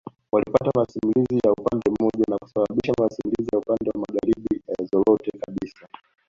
Walipata masimulizi ya upande mmoja na kusababisha masimulizi ya upande wa magharibi yazorote kabisa